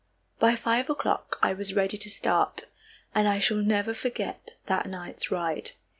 By five o'clock I was ready to start, and I shall never forget that night's ride.